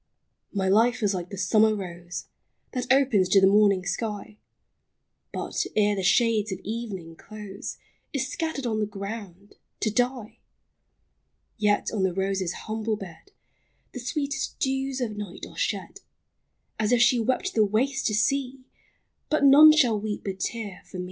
My life is like the summer rose, That opens to the morning sky, But, ere the shades of evening close, Is scattered on the ground — to die ! Yet on the rose's humble bed The sweetest dews of night are shed, As if she wept the waste to see, — But none shall weep a tear for me